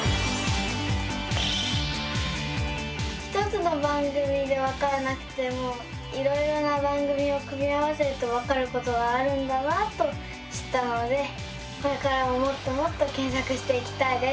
１つの番組でわからなくてもいろいろな番組を組み合わせるとわかることがあるんだなと知ったのでこれからももっともっと検索していきたいです。